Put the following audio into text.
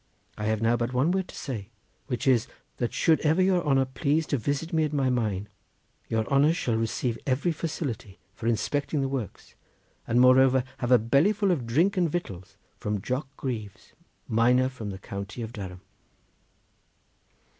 I have now but one word to say, which is, that should ever your honour please to visit me at my mine, your honour shall receive every facility for inspecting the works, and moreover have a bellyfull of drink and victuals from Jock Greaves, miner from the county of Durham."